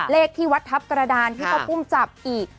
เลขที่วัดทับกระดานที่พจับอีก๕๑๕